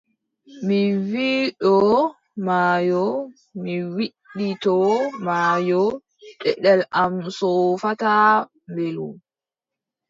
Mi widdoo maayo, mi widditoo maayo, deɗel am soofataa, mbeelu !